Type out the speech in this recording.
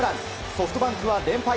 ソフトバンクは連敗。